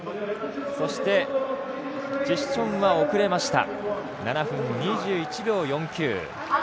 そして、チシュチョンは後れました、７分２１秒４９。